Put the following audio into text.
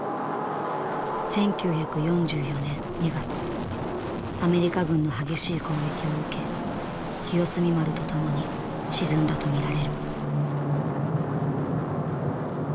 １９４４年２月アメリカ軍の激しい攻撃を受け清澄丸とともに沈んだと見られる。